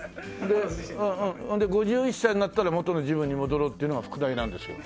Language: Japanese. ほんで５１歳になったら元の自分に戻ろうっていうのが副題なんですよ。